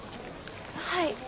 はい。